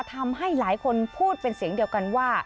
ทำให้หลายคนพูดเป็นเสียงเดียวกันว่า